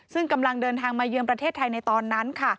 ซึ่งกำลังเดินทางมาเยือนประเทศไทยในตอนนั้นค่ะ